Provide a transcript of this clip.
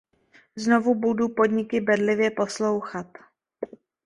Znovu budu podniky bedlivě poslouchat.